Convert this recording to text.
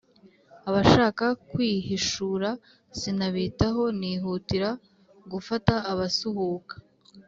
Abashaka kwihishura sinabitaho nihutira gufata abasuhuka,